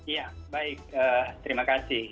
ya baik terima kasih